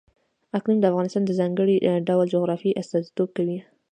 اقلیم د افغانستان د ځانګړي ډول جغرافیه استازیتوب کوي.